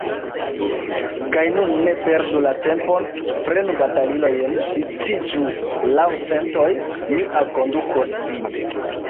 Kaj nun ne perdu la tempon, prenu batalilojn, viciĝu laŭ centoj, mi alkondukos vin!